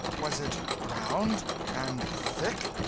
Was it round? and thick?